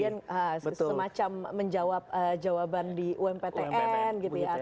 tidak mencoblos tapi kemudian semacam menjawab jawaban di umptn gitu ya